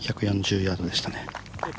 １４０ヤードでしたね。